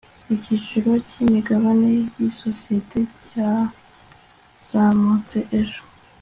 igiciro cyimigabane yisosiyete cyazamutse ejo